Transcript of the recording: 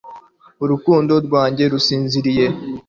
urukundo rwanjye rusinziriye